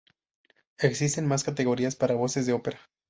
Existen más categorías para voces de ópera.